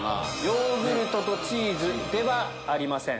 ヨーグルトとチーズではありません。